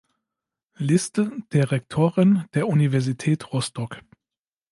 Liste der Rektoren der Universität Rostock